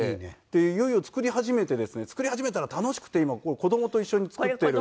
でいよいよ作り始めてですね作り始めたら楽しくて今子供と一緒に作ってる。